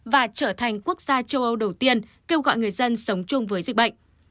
và trở thành quốc gia châu âu đầu tiên kêu gọi người dân sống chung với dịch bệnh